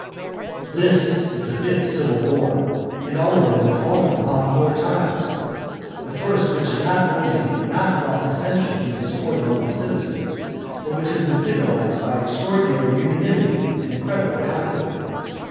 III. This is the fifth civil war, (and all of them have fallen upon our times,) the first which has not only not brought dissensions and discord among the citizens, but which has been signalised by extraordinary unanimity and incredible concord.